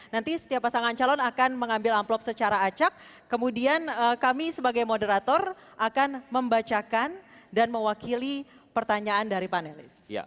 nanti setiap pasangan calon akan mengambil amplop secara acak kemudian kami sebagai moderator akan membacakan dan mewakili pertanyaan dari panelis